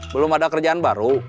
belum ada kerjaan baru